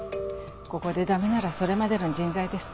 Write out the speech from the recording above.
ここでダメならそれまでの人材です。